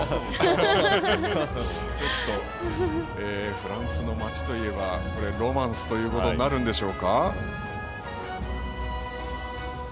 フランスの街といえばロマンスということになるんでしょうか。